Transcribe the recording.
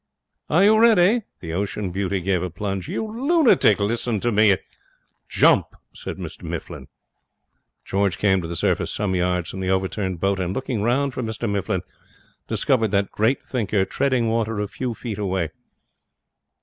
'Are you ready?' The Ocean Beauty gave a plunge. 'You lunatic! Listen to me. It ' 'Jump!' said Mr Mifflin. George came to the surface some yards from the overturned boat, and, looking round for Mr Mifflin, discovered that great thinker treading water a few feet away.